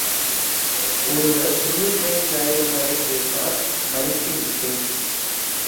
ஒருவர் தொன்னூற்றைந்து ஆயிரம்வரை கேட்டார் மறுத்து விட்டேன்.